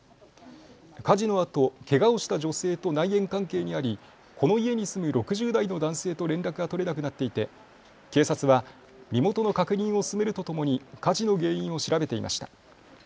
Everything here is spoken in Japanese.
火事のあと、けがをした女性と内縁関係にあり、この家に住む６０代の男性と連絡が取れなくなっていて警察は身元の確認を進めるとともに火事の原因を調べていました。